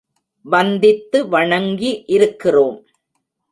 வந்தித்து வணங்கி இருக்கிறோம்.